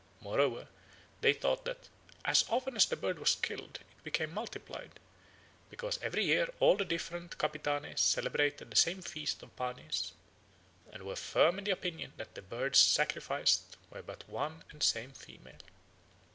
Moreover, they thought that "as often as the bird was killed, it became multiplied; because every year all the different Capitanes celebrated the same feast of Panes, and were firm in the opinion that the birds sacrificed were but one and the same female."